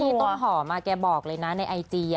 ต้นหอมแกบอกเลยนะในไอจี